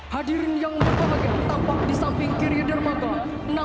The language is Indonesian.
hadirin yang berbahagia tampak di samping kiri dermaga